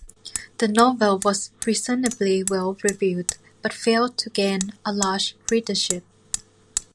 The novel was reasonably well reviewed but failed to gain a large readership.